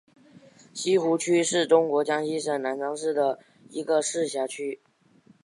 西湖区是中国江西省南昌市的一个市辖区。